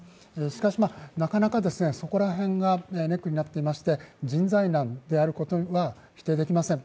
しかし、なかなかそこら辺がネックになっていまして人材難であることは否定できません。